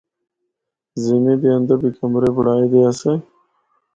زِمّی دے اندر بھی کمرے بنڑائے دے آسے۔